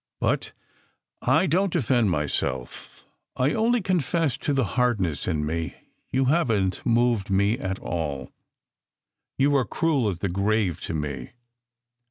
But I don t defend myself I only confess to the hardness in me; you haven t moved me at all. You were cruel as the grave to me.